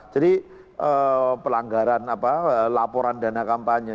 jadi pelanggaran laporan dana kampanye